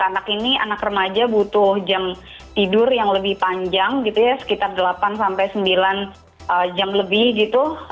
anak ini anak remaja butuh jam tidur yang lebih panjang gitu ya sekitar delapan sampai sembilan jam lebih gitu